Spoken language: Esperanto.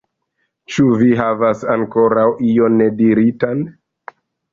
Ĉu vi havas ankoraŭ ion nediritan?